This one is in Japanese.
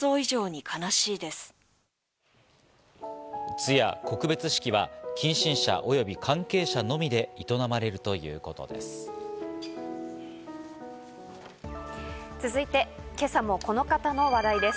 通夜・告別式は近親者及び関係者のみで営まれるということです。